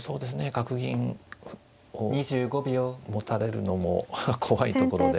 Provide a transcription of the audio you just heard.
角銀を持たれるのも怖いところで。